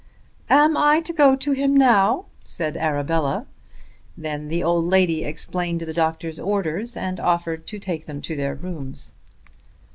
"Am I to go to him now?" said Arabella. Then the old lady explained the doctor's orders, and offered to take them to their rooms.